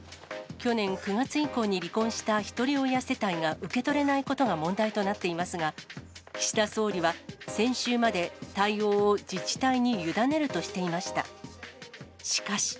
去年９月以降に離婚した、ひとり親世帯が受け取れないことが問題となっていますが、岸田総理は先週まで対応を自治体に委ねるとしていました。